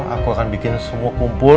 aku akan bikin semua kumpul